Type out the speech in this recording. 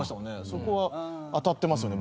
そこは当たってますよね